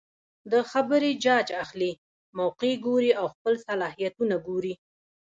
د خبرې جاج اخلي ،موقع ګوري او خپل صلاحيتونه ګوري